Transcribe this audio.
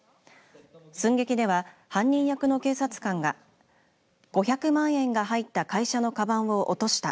寸劇では、犯人役の警察官が５００万円が入った会社のかばんを落とした。